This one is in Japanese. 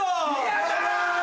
やった！